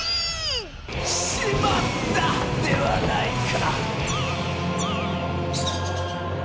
「しまった！」ではないか！